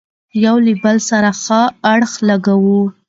يو له بل سره ښه اړخ لګوو،